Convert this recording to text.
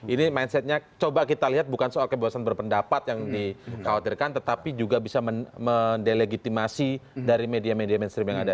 ini mindsetnya coba kita lihat bukan soal kebebasan berpendapat yang dikhawatirkan tetapi juga bisa mendelegitimasi dari media media mainstream yang ada